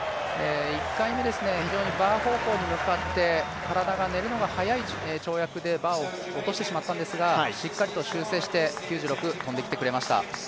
１回目非常にバー方向に向かって体が寝るのが速い跳躍でバーを落としてしまったんですがしっかりと修正して９６、跳んできてくれました。